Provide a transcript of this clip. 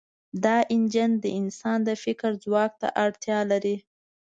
دا انجن د انسان د فکر ځواک ته اړتیا لري.